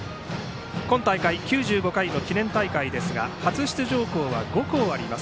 今大会、９５回の記念大会ですが初出場校は５校あります。